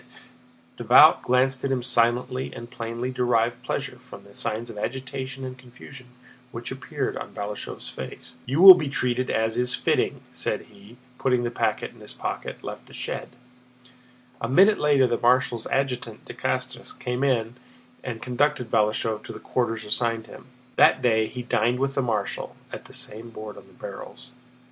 Davout glanced at him silently and plainly derived pleasure from the signs of agitation and confusion which appeared on Balashëv's face. "You will be treated as is fitting," said he and, putting the packet in his pocket, left the shed. A minute later the marshal's adjutant, de Castrès, came in and conducted Balashëv to the quarters assigned him. That day he dined with the marshal, at the same board on the barrels.